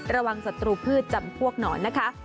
ระวังสัตว์ปลูกพืชจำพวกหน่อนนะคะ